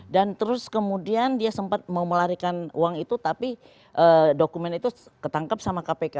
dan terus kemudian dia sempat memelarikan uang itu tapi dokumen itu ketangkap sama kpk